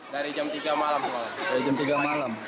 dari jam tiga malam